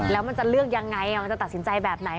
แล้วมันจะเลือกยังไงมันจะตัดสินใจแบบไหน